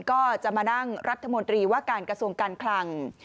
ก็จะมานั่งรัฐมนตรีว่าการกระทรวงการคลัง